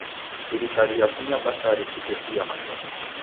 Sirikali yafunya basari Kutesia mashomo